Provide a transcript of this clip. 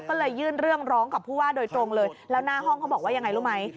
ก็เลยยื่นเรื่องร้องกับผู้ว่าโดยตรงเลยแล้วหน้าห้องเขาบอกว่ายังไงรู้ไหม